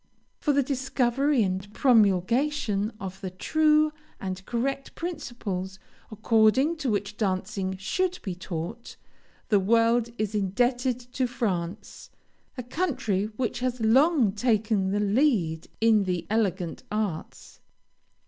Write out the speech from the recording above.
For the discovery and promulgation of the true and correct principles according to which dancing should be taught, the world is indebted to France, a country which has long taken the lead in the elegant arts.